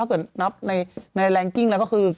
เกิดนับในแรงกิ้งแล้วก็คือ